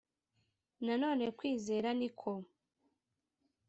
Nanone kwizera ni ko